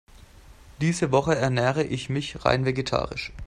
Diese Woche ernähre ich mich rein vegetarisch.